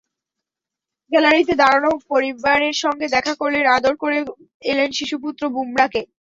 গ্যালারিতে দাঁড়ানো পরিবারের সঙ্গে দেখা করলেন, আদর করে এলেন শিশুপুত্র বুমারকে।